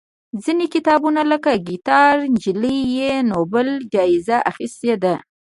ځینې کتابونه لکه ګیتا نجلي یې نوبل جایزه اخېستې ده.